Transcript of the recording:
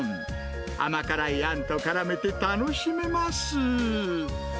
甘辛いあんとからめて楽しめます。